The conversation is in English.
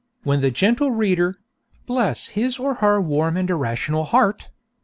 When the 'gentle reader' (bless his or her warm and irrational heart!)